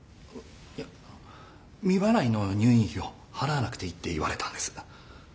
いや未払いの入院費を払わなくていいって言われたんです。